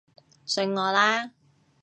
信我啦